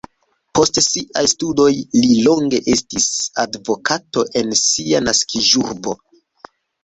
Post siaj studoj li longe estis advokato en sia naskiĝurbo.